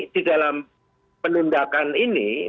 di dalam penundakan ini